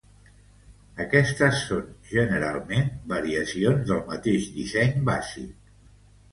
Aquestes són generalment variacions del mateix disseny bàsic.